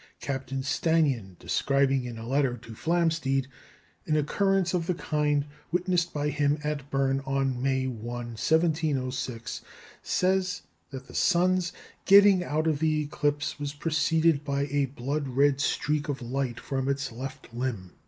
Captain Stannyan, describing in a letter to Flamsteed an occurrence of the kind witnessed by him at Berne on May 1 (o.s.), 1706, says that the sun's "getting out of the eclipse was preceded by a blood red streak of light from its left limb."